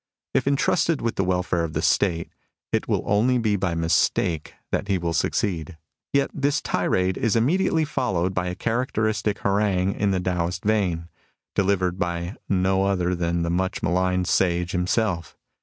If entrusted with the welfare of the State, " it will only be by mistake that he will succeed." Yet this tirade is immediately followed by a characteristic harangue in the Taoist vein, delivered by no other than the much maligned sage himself.